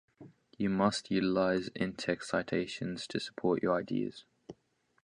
You must utilize in-text citations to support your ideas.